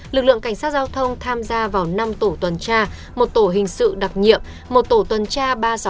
lực lượng cảnh sát giao thông tham gia vào năm tổ tuần tra một tổ hình sự đặc nhiệm một tổ tuần tra ba trăm sáu mươi ba